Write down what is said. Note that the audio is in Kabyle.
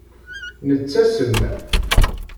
Nettasem.